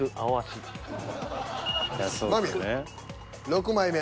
６枚目。